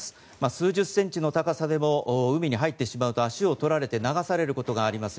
数十センチの高さでも海に入ってしまうと足を取られて流されることがあります。